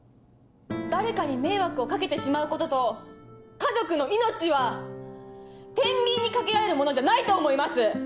誰かに迷惑を掛けてしまうことと家族の命はてんびんにかけられるものじゃないと思います！